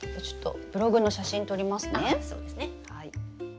ああそうですね。